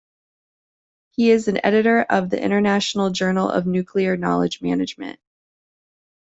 He is an editor of the International Journal of Nuclear Knowledge Management.